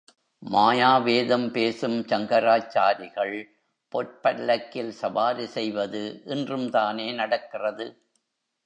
மாயாவேதம் பேசும் சங்கராச்சாரிகள், பொற்பல்லக்கில் சவாரி செய்வது இன்றும் தானே நடக்கிறது!